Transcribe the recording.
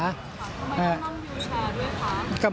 ทำไมต้องนั่งวิวแชร์ด้วยคะ